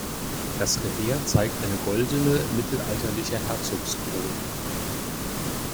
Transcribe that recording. Das Revers zeigt eine goldene mittelalterliche Herzogskrone.